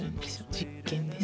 実験です。